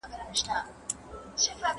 چې ورته وګورې نو دوه قدمه لاره ده خو